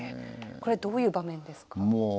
これどういう場面ですか？